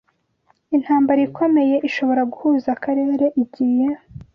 intambara ikomeye ishobora guhuza akarere igiye